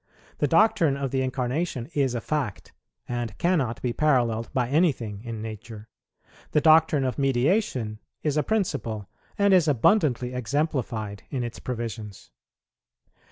The doctrine of the Incarnation is a fact, and cannot be paralleled by anything in nature; the doctrine of Mediation is a principle, and is abundantly exemplified in its provisions.